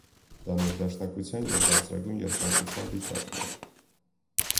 Դա ներդաշնակության և «բարձրագույն երջանկության» վիճակն է։